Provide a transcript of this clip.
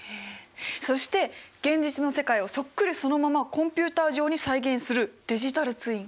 そして現実の世界をそっくりそのままコンピューター上に再現するデジタルツイン。